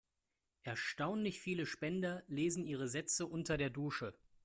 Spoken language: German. Erstaunlich viele Spender lesen ihre Sätze unter der Dusche.